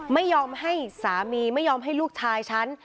ไม่ยอมให้สามีไม่ยอมให้ลูกชายฉัน